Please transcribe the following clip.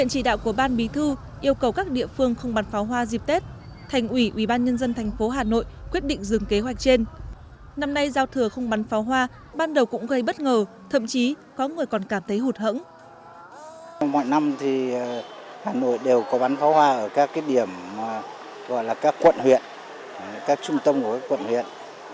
hà nội đều có bắn pháo hoa ở các điểm gọi là các quận huyện các trung tâm của quận huyện